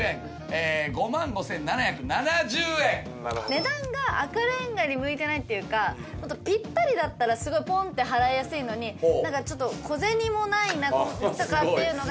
値段が赤レンガに向いてないっていうかぴったりだったらぽんって払いやすいのに何かちょっと小銭もないとかっていうのが。